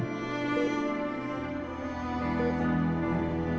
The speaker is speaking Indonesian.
dan saya juga